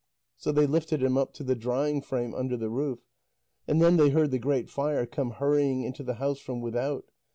So they lifted him up to the drying frame under the roof. And then they heard the Great Fire come hurrying into the house from without.